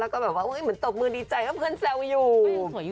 คือตอบมือดีใจเขามีเพื่อนแงวอยู่